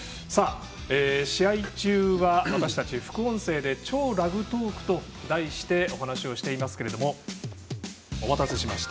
試合中は私たち副音声で「超ラグトーク」と題してお話ししていますがお待たせしました。